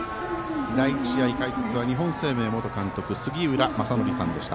第１試合解説は日本生命元監督杉浦正則さんでした。